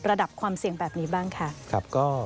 ระดับความเสี่ยงแบบนี้บ้างค่ะ